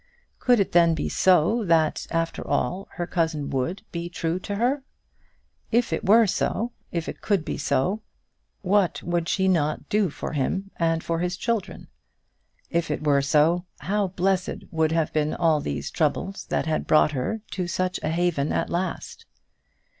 Could it then be so, that, after all, her cousin would be true to her? If it were so, if it could be so, what would she not do for him and for his children? If it were so, how blessed would have been all these troubles that had brought her to such a haven at last!